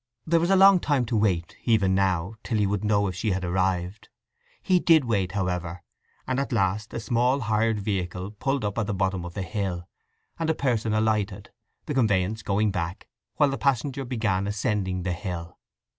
There was a long time to wait, even now, till he would know if she had arrived. He did wait, however, and at last a small hired vehicle pulled up at the bottom of the hill, and a person alighted, the conveyance going back, while the passenger began ascending the hill.